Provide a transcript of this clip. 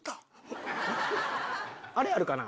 あれあるかな？